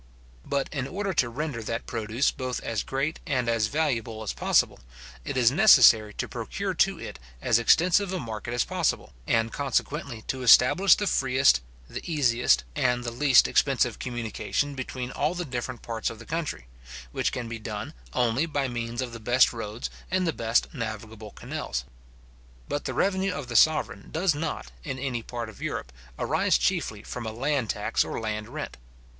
But in order to render that produce both as great and as valuable as possible, it is necessary to procure to it as extensive a market as possible, and consequently to establish the freest, the easiest, and the least expensive communication between all the different parts of the country; which can be done only by means of the best roads and the best navigable canals. But the revenue of the sovereign does not, in any part of Europe, arise chiefly from a land tax or land rent.